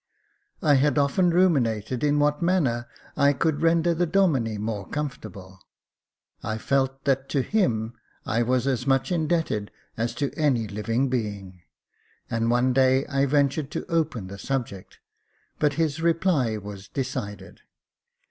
I HAD often ruminated in what manner I could render the Domine more comfortable. I felt that to him I was as much indebted as to any living being, and one day I ventured to open the subject ; but his reply was decided.